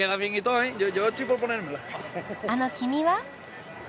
あの君は？